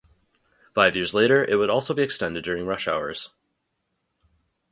Five years later, it would also be extended during rush hours.